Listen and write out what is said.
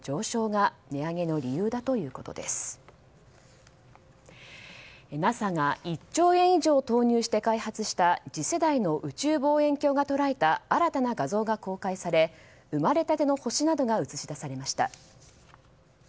ＮＡＳＡが１兆円以上投入して開発した次世代の宇宙望遠鏡が捉えた新たな画像が公開され生まれたての星などが映し出されました。